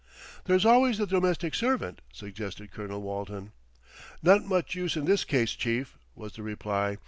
"There's always the domestic servant," suggested Colonel Walton. "Not much use in this case, chief," was the reply.